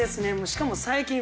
しかも。